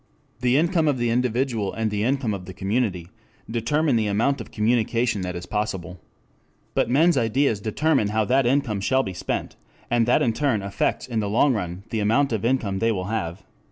The income of the individual, and the income of the community determine the amount of communication that is possible. But men's ideas determine how that income shall be spent, and that in turn affects in the long run the amount of income they will have.